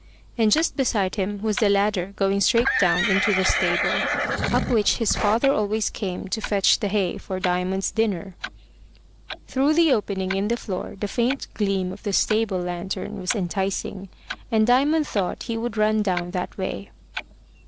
And just beside him was the ladder going straight down into the stable, up which his father always came to fetch the hay for Diamond's dinner. Through the opening in the floor the faint gleam of the stable lantern was enticing, and Diamond thought he would run down that way.